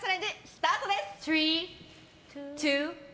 スタートです！